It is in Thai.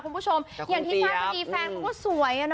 คุณผู้ชมอย่างที่สร้างทีแฟนก็สวย